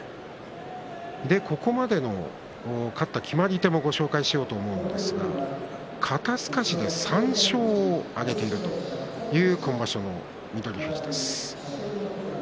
ここまでの勝った決まり手もご紹介しようと思うんですが肩すかしで３勝を挙げているという今場所の翠富士です。